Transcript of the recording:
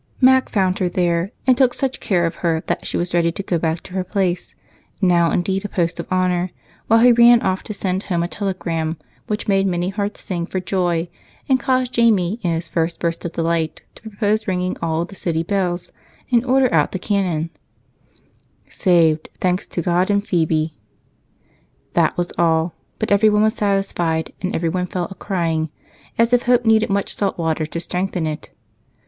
Mac found her there, and took such care of her that she was ready to go back to her place now indeed a post of honor while he ran off to send home a telegram which made many hearts sing for joy and caused Jamie, in his first burst of delight, to propose to ring all the city bells and order out the cannon: "Saved thanks to God and Phebe." That was all, but everyone was satisfied, and everyone fell a crying, as if hope needed much salty water to strengthen it.